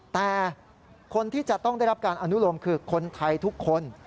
แต่คนที่จะต้องได้รับการอนุโลมคือคนไทยทุกคน